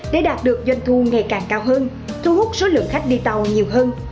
để đạt được doanh thu ngày càng cao hơn thu hút số lượng khách đi tàu nhiều hơn